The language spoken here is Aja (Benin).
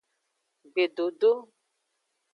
Gbedodo.